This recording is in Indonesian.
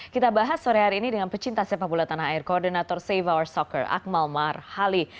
kita bahas sore hari ini dengan pecinta sepak bola tanah air koordinator save our soccer akmal marhali